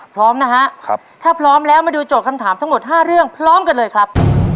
พร้อมนะฮะถ้าพร้อมแล้วมาดูโจทย์คำถามทั้งหมด๕เรื่องพร้อมกันเลยครับ